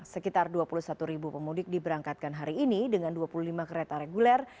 sekitar dua puluh satu ribu pemudik diberangkatkan hari ini dengan dua puluh lima kereta reguler